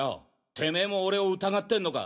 テメェも俺を疑ってんのか？